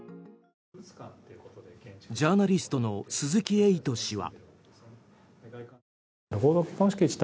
ジャーナリストの鈴木エイト氏は。